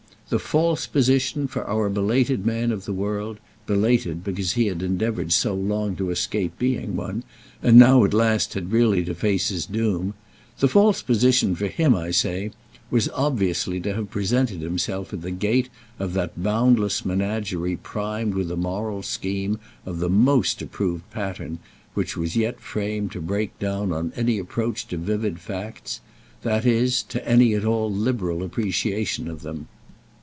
The false position, for our belated man of the world—belated because he had endeavoured so long to escape being one, and now at last had really to face his doom—the false position for him, I say, was obviously to have presented himself at the gate of that boundless menagerie primed with a moral scheme of the most approved pattern which was yet framed to break down on any approach to vivid facts; that is to any at all liberal appreciation of them.